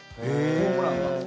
ホームランは。